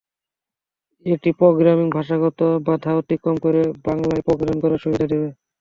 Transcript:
এটি প্রোগ্রামিংকে ভাষাগত বাধা অতিক্রম করে বাংলায় প্রোগ্রামিং করার সুবিধা দেবে।